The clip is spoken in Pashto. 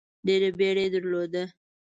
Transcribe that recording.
ډېره بیړه یې درلوده.